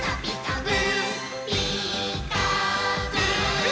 「ピーカーブ！」